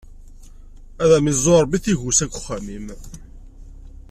Ad am-iẓẓu Ṛebbi tigusa deg uxxam-im!